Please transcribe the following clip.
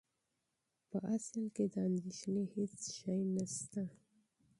په حقیقت کې د اندېښنې هېڅ شی نه شته.